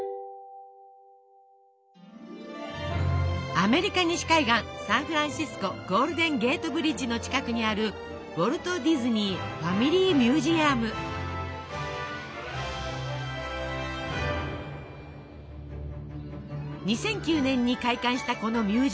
アメリカ西海岸サンフランシスコゴールデン・ゲート・ブリッジの近くにある２００９年に開館したこのミュージアム。